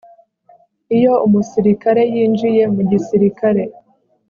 iyo umusirikare yinjiye mu gisirikare